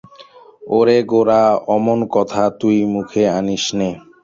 ওরে গোরা, অমন কথা তুই মুখে আনিস নে।